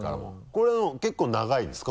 これはもう結構長いんですか？